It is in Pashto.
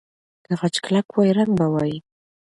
که خج کلک وای، رنګ به وای.